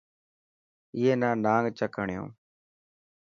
اي نا نانگ چڪ هڻيو.